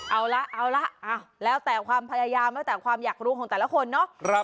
เอาละเอาละแล้วแต่ความพยายามแล้วแต่ความอยากรู้ของแต่ละคนเนาะ